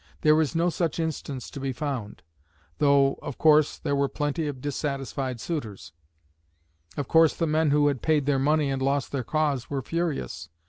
There is no such instance to be found; though, of course, there were plenty of dissatisfied suitors; of course the men who had paid their money and lost their cause were furious.